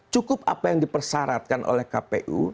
cukup apa yang dipersyaratkan oleh kpu